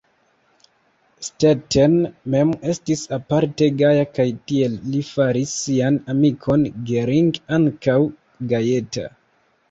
Stetten mem estis aparte gaja kaj tiel li faris sian amikon Gering ankaŭ gajeta.